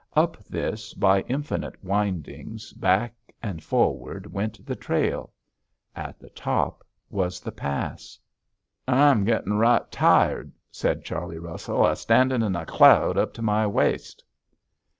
Up this, by infinite windings, back and forward went the trail. At the top was the pass. [Illustration: DAWSON PASS] "I'm getting right tired," said Charley Russell, "of standing in a cloud up to my waist."